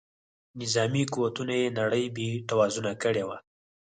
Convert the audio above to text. نظامي قوتونو یې نړۍ بې توازونه کړې وه.